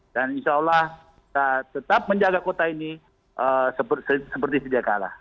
dan insya allah kita tetap menjaga kota ini seperti sejak kala